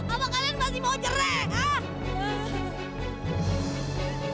apa kalian masih mau cerai